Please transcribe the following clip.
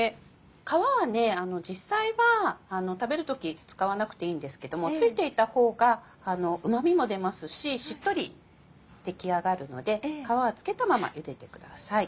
皮は実際は食べる時使わなくていいんですけども付いていた方がうまみも出ますししっとり出来上がるので皮は付けたままゆでてください。